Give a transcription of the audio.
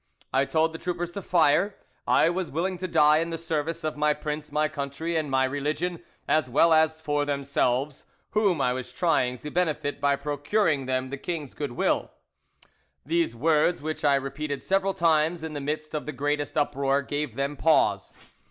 I told the troopers to fire; I was willing to die in the service of my prince, my country, and my religion, as well as for themselves, whom I was trying to benefit by procuring them the king's goodwill. "These words, which I repeated several times in the midst of the greatest uproar, gave them pause.